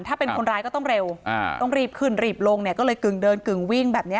ถ้าเป็นคนร้ายก็ต้องเร็วต้องรีบขึ้นรีบลงเนี่ยก็เลยกึ่งเดินกึ่งวิ่งแบบนี้